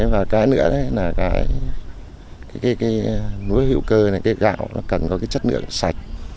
và cái nữa là cái lúa hiệu cờ này cái gạo nó cần có cái chất lượng sạch